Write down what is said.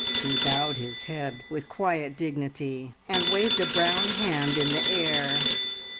He bowed his head with quiet dignity, and waved a brown hand in the air.